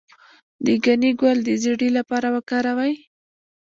د ګنی ګل د زیړي لپاره وکاروئ